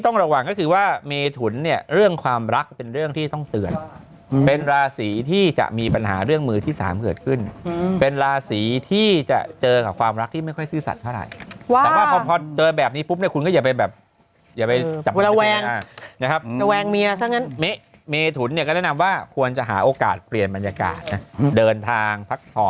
โดยรวมค่ะแต่ว่าดวงช่วงนี้พี่อ้ามเป็นไงบ้าง